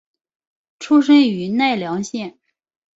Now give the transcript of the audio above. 出身于奈良县。